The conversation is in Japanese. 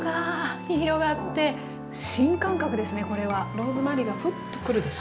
ローズマリーがフッとくるでしょ。